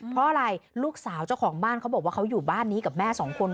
เพราะอะไรลูกสาวเจ้าของบ้านเขาบอกว่าเขาอยู่บ้านนี้กับแม่สองคน